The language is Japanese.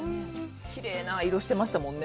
きれいな色してましたもんね。